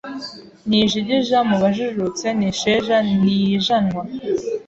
Ni ijigija mu bajijutse Ni isheja ntiyijanwa